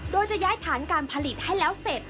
โดยจะย้ายฐานการผลิตให้แล้วเสร็จ